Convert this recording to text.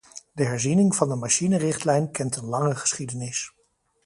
De herziening van de machinerichtlijn kent een lange geschiedenis.